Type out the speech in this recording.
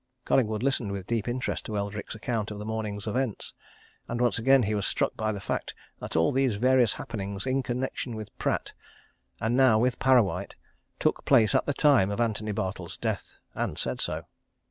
Collingwood listened with deep interest to Eldrick's account of the morning's events. And once again he was struck by the fact that all these various happenings in connection with Pratt, and now with Parrawhite, took place at the time of Antony Bartle's death, and he said so.